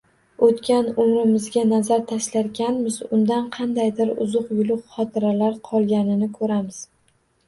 O‘tgan umrimizga nazar tashlarkanmiz, undan qandaydir uzuq-yuluq xotiralar qolganini ko‘ramiz.